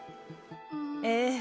ええ